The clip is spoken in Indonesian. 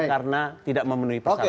karena tidak memenuhi persyaratan